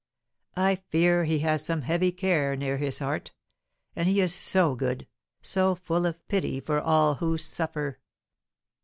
I fear he has some heavy care near his heart; and he is so good, so full of pity for all who suffer.